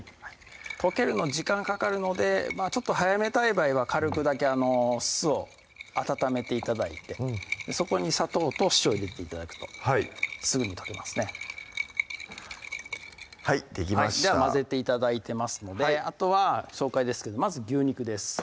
溶けるの時間かかるのでちょっと早めたい場合は軽くだけ酢を温めて頂いてそこに砂糖と塩を入れて頂くとはいすぐに溶けますねはいできましたでは混ぜて頂いてますのであとは紹介ですけどまず牛肉です